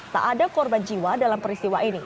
tak ada korban jiwa dalam peristiwa ini